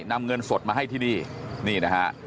นำเงินสดมาให้ที่นี่นะครับ